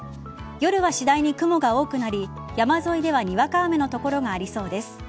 夜は次第に雲が多くなり山沿いではにわか雨の所がありそうです。